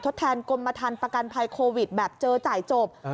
แทนกรมทันประกันภัยโควิดแบบเจอจ่ายจบ